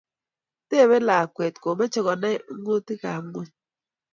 Tebei lakwet, komochei konai ungotikab ngwony